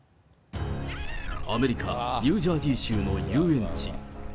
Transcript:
アメリカ・ニュージャージー州の遊園地。